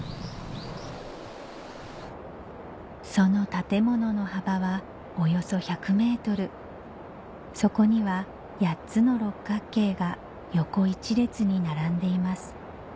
その建物の幅はおよそ１００ｍそこには８つの六角形が横一列に並んでいます